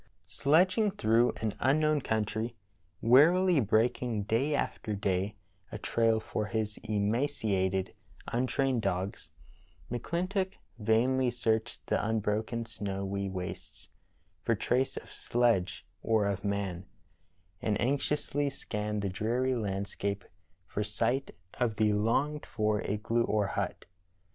Sledging through an unknown country, wearily breaking day after day a trail for his emaciated, un trained dogs, McClintock vainly searched the unbroken snowy wastes for trace of sledge or of man, and anx iousl}^ scanned the dreary landscape for sight of the longed for igloo or hut.